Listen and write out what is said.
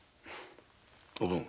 おぶん。